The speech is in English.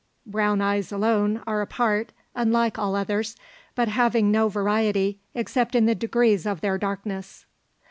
Brown eyes alone are apart, unlike all others, but having no variety except in the degrees of their darkness.